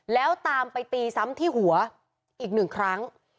แล้วตามไปตีซ้ำที่หัวอีกหนึ่งครั้ง